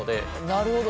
なるほど。